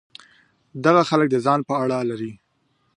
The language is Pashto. دغه خلک د ځان په اړه لري.